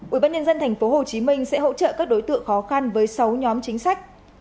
ubnd tp hcm sẽ hỗ trợ các đối tượng khó khăn với sáu nhóm chính sách